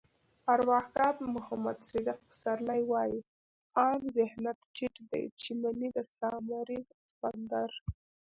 ارواښاد محمد صدیق پسرلی وایي: عام ذهنيت ټيټ دی چې مني د سامري سخوندر.